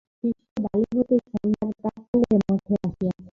শিষ্য বালি হইতে সন্ধ্যার প্রাক্কালে মঠে আসিয়াছে।